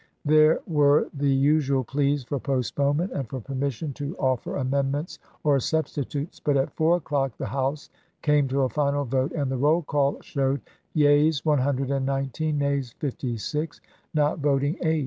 " There were the usual pleas for postponement and for permission to offer amendments or substitutes, but at four o'clock the House came to a final vote, and the roll call showed, yeas, 119 ; nays, 56 ; not voting, 8.